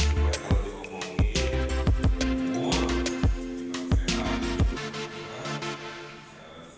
supaya kalau dikomunikasi orang tidak akan terlalu kita bisa berhasil